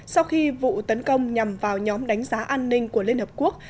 sau khi vụ tấn công nhằm vào nhóm đánh giá an ninh của liên hợp quốc